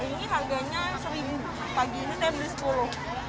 ini harganya seribu pagi ini saya beli sepuluh